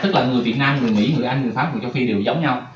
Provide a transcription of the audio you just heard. tức là người việt nam người mỹ người anh người pháp người châu phi đều giống nhau